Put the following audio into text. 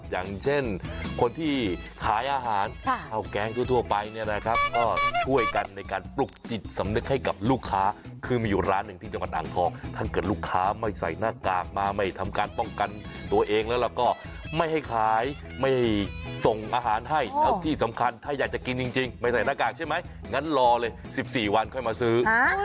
อย่างเช่นคนที่ขายอาหารข้าวแกงทั่วไปเนี่ยนะครับก็ช่วยกันในการปลุกจิตสำนึกให้กับลูกค้าคือมีอยู่ร้านหนึ่งที่จังหวัดอ่างทองถ้าเกิดลูกค้าไม่ใส่หน้ากากมาไม่ทำการป้องกันตัวเองแล้วเราก็ไม่ให้ขายไม่ส่งอาหารให้แล้วที่สำคัญถ้าอยากจะกินจริงไม่ใส่หน้ากากใช่ไหมงั้นรอเลย๑๔วันค่อยมาซื้อ